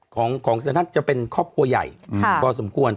ของเสียนัทจะเป็นครอบครัวใหญ่พอสมควร